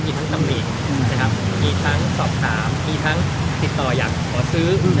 มีทั้งตำหนิมีทั้งสอบถามมีทั้งติดต่ออยากขอซื้อ